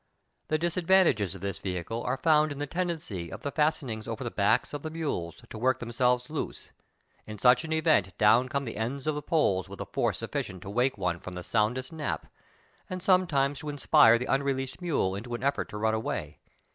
The disad vantages of this vehicle are found in the tendency of the fastenings over the backs of the mules to work themselves loose; in such an event down come the ends of the poles with a force sufficient Tilt: great wall op China. 183 to wake one from the soundest nap, and some times to inspire the unreleased mule into the effort to run away.